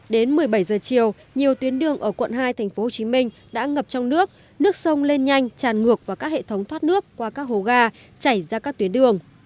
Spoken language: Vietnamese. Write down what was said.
đến một mươi bảy h chiều nhiều tuyến đường ở quận hai thành phố hồ chí minh đã ngập trong nước nước sông lên nhanh tràn ngược vào các hệ thống thoát nước qua các hồ ga chảy ra các tuyến đường